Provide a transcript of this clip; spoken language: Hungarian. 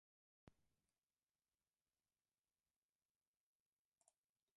A második világháború ezt a települést is elérte.